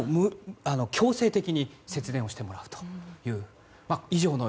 強制的に節電をしてもらうというものです。